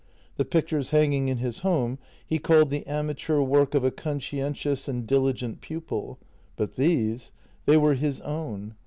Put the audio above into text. The pictures hanging in his home he called the amateur work of a conscientious and diligent pupil, but these — they were his own.